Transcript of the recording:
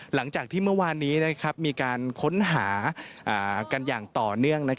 หลังจากที่เมื่อวานนี้มีการค้นหากันอย่างต่อเนื่อง